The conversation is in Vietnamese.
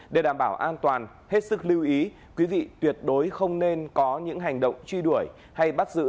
để đảm bảo an toàn hết sức lưu ý quý vị tuyệt đối không nên có những hành động truy đuổi hay bắt giữ